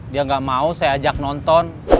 dia nggak mau saya ajak nonton